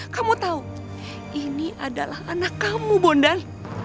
kamu tahu ini adalah anak kamu bondan